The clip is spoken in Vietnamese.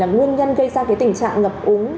nguyên nhân gây ra tình trạng ngập úng